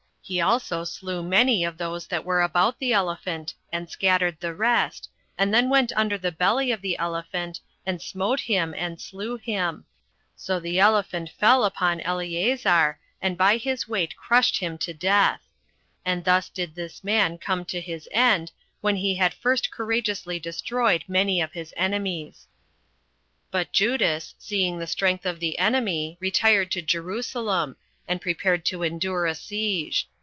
He also slew many of those that were about the elephant, and scattered the rest, and then went under the belly of the elephant, and smote him, and slew him; so the elephant fell upon Eleazar, and by his weight crushed him to death. And thus did this man come to his end, when he had first courageously destroyed many of his enemies. 5. But Judas, seeing the strength of the enemy, retired to Jerusalem, and prepared to endure a siege.